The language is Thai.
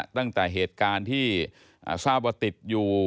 ตั้งแต่เหตุการณ์ที่ทราบว่าติดอยู่